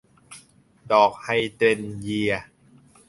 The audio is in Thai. ดอกไฮเดรนเยีย